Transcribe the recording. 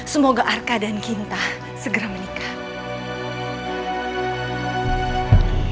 semoga arka dan ginta segera menikah